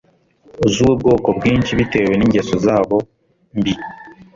zubwoko bwinshi bitewe ningeso zabo mbi